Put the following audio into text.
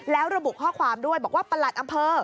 แล้วระบุข้อความด้วยบอกว่าประหลัดอำเภอ